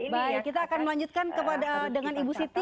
baik kita akan melanjutkan dengan ibu siti